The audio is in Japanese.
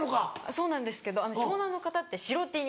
そうなんですけど湘南の方って白Ｔに。